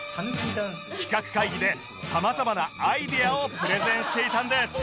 企画会議で様々なアイデアをプレゼンしていたんです